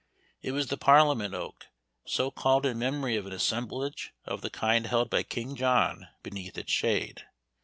It was the Parliament Oak, so called in memory of an assemblage of the kind held by King John beneath its shade.